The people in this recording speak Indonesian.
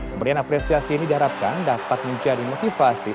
pemberian apresiasi ini diharapkan dapat menjadi motivasi